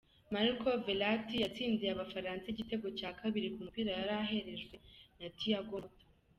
Marco Verratti yatsindiye Abafaransa igitego cya kabiri ku mupira yari aherejwe na Thiago Motta.